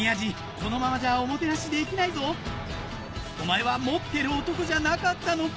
このままじゃおもてなしできないぞお前は持ってる男じゃなかったのか？